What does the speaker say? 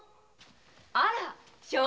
あら？